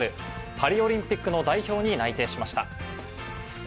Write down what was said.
パリオリンピックの代表に内定しました。